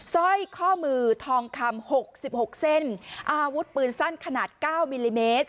สร้อยข้อมือทองคำหกสิบหกเส้นอาวุธปืนสั้นขนาด๙มิลลิเมตร